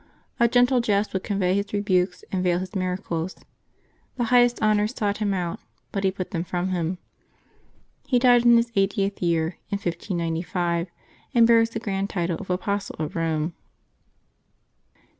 A gentle jest would convey his rebukes and veil his miracles. The highest honors sought him out, but he put them from him. He died in his eightieth year, in 1595, and bears the grand title of Apostle of Eome.